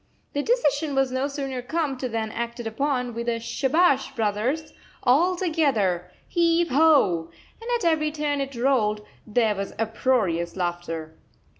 The decision was no sooner come to than acted upon, with a "Shabash, brothers! All together! Heave ho!" And at every turn it rolled, there was uproarious laughter.